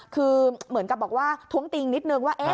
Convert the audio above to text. คือเหมือนกับบอกว่าท้วงติงนิดนึงว่า